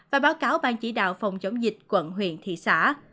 và báo cáo ban chỉ đạo phòng chống dịch quận huyện thị xã